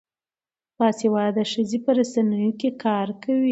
باسواده ښځې په رسنیو کې کار کوي.